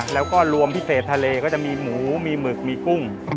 แล้วก็รวมพิเศษทะเลก็จะมีหมูมีหมึกมีกุ้ง